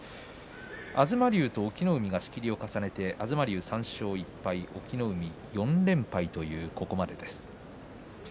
東龍と隠岐の海が仕切りを重ねて東龍３勝１敗隠岐の海、４連敗というここまでです。